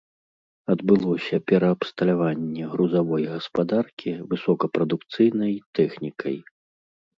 Адбылося пераабсталяванне грузавой гаспадаркі высокапрадукцыйнай тэхнікай.